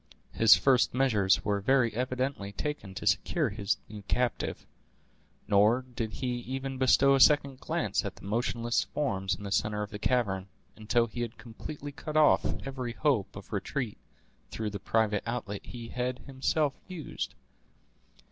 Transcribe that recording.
His first measures were very evidently taken to secure his new captive; nor did he even bestow a second glance at the motionless forms in the center of the cavern, until he had completely cut off every hope of retreat through the private outlet he had himself used.